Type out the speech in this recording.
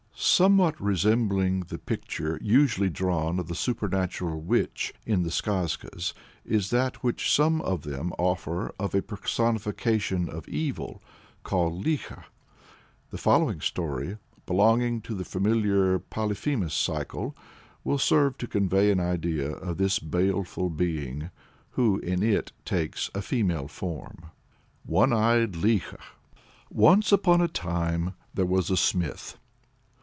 _ Somewhat resembling the picture usually drawn of the supernatural Witch in the Skazkas, is that which some of them offer of a personification of evil called Likho. The following story, belonging to the familiar Polyphemus cycle, will serve to convey an idea of this baleful being, who in it takes a female form. ONE EYED LIKHO. Once upon a time there was a smith.